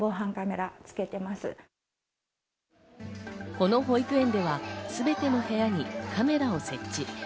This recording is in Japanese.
この保育園ではすべての部屋にカメラを設置。